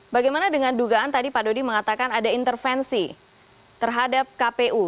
bagaimana dengan dugaan tadi pak dodi mengatakan ada intervensi terhadap kpu